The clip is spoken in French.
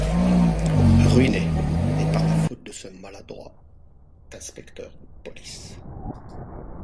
Ruiné! et par la faute de ce maladroit inspecteur de police !